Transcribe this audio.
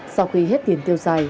sau khi hết tiền tiêu xài